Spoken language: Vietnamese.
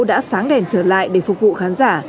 đã sáng đèn trở lại để phục vụ khán giả